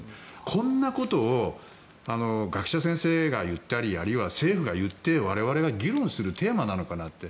こんなことを学者や先生が言ったりあるいは政府が言って我々が議論するテーマなのかなって。